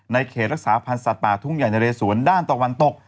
เขตรักษาพันธ์สัตว์ป่าทุ่งใหญ่นะเรสวนด้านตะวันตก